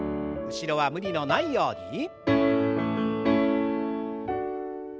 後ろは無理のないように。